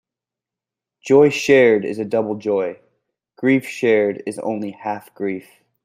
Joy shared is double joy; grief shared is only half grief.